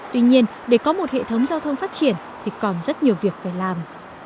tuy nhiên để có một hệ thống giao thông phát triển thì còn rất nhiều việc phải làm